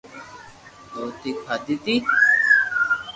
روٽي کاڌي تي